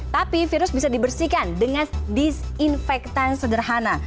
tapi virus bisa dibersihkan dengan disinfektan sederhana